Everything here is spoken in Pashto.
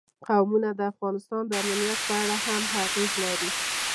قومونه د افغانستان د امنیت په اړه هم اغېز لري.